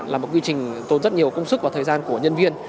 là một quy trình tốn rất nhiều công sức và thời gian của nhân viên